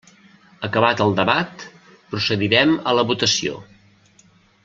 Acabat el debat, procedirem a la votació.